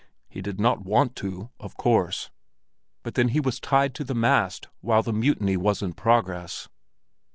He did not want to, of course, but then he was tied to the mast while the mutiny was in progress.